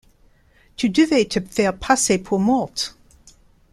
Tu devais te faire passer pour morte!